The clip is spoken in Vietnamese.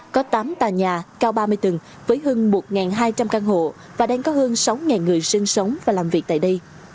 có tám tòa nhà cao ba mươi tầng với hơn một hai trăm linh căn hộ và đang có hơn sáu người sinh sống và làm việc tại đây